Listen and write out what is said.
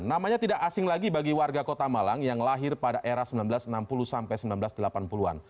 namanya tidak asing lagi bagi warga kota malang yang lahir pada era seribu sembilan ratus enam puluh sampai seribu sembilan ratus delapan puluh an